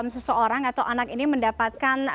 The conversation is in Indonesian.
seseorang atau anak ini mendapatkan